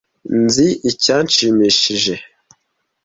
Nzi icyanshimishije.